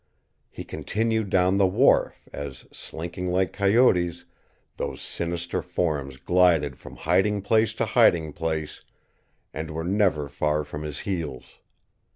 He continued down the wharf as, slinking like coyotes, those sinister forms glided from hiding place to hiding place and were never far from his heels.